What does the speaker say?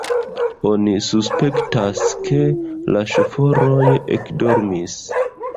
Oni suspektas, ke la ŝoforoj ekdormis.